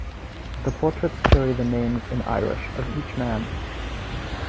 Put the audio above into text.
The portraits carry the names in Irish of each man.